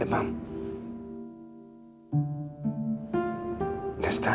dan setelah ngeliat kamu aku langsung sembuh